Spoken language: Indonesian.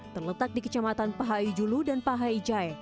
terletak di kecamatan pahai julu dan pahai ijaya